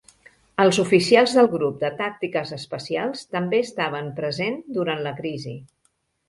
Els oficials del Grup de Tàctiques Especials també estaven present durant la crisi.